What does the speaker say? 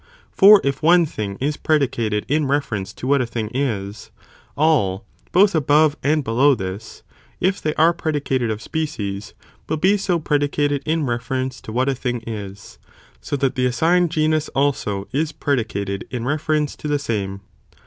For if one thing is predicated in reference to what a thing is, all, both above and below this, if they are predicated of species, will be so predicated in re ference to what a thing is, so that the assigned genus also is predicated in reference to the same.